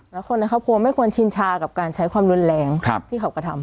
แล้วคนในครอบครัวไม่ควรชินชากับการใช้ความรุนแรงที่เขากระทำ